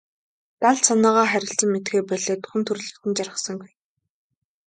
Далд санаагаа харилцан мэдэхээ болиод хүн төрөлхтөн жаргасангүй.